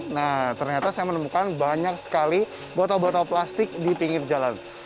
nah ternyata saya menemukan banyak sekali botol botol plastik di pinggir jalan